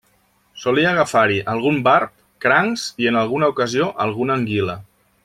Solia agafar-hi algun barb, crancs, i en alguna ocasió alguna anguila.